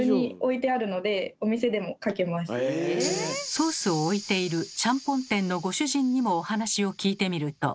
ソースを置いているちゃんぽん店のご主人にもお話を聞いてみると。